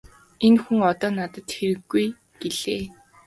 Энэ хүн одоо надад хэрэггүй -гэлээ.